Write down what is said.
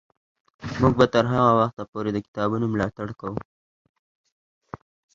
موږ به تر هغه وخته پورې د کتابتونونو ملاتړ کوو.